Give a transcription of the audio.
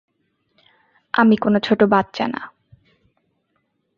আমি কোন ছোট বাচ্চা না!